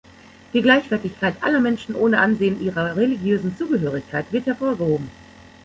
Die Gleichwertigkeit aller Menschen ohne Ansehen ihrer religiösen Zugehörigkeit wird hervorgehoben.